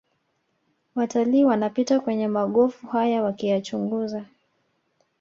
Watalii wanapita kwenye magofu haya wakiyachunguza